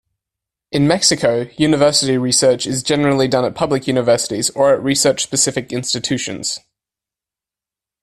In Mexico, university research is generally done at public universities or at research-specific institutions.